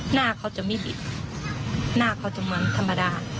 หน้าเขาจะไม่ดีหน้าเขาจะมันธรรมดา